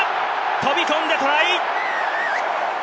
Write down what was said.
飛び込んでトライ！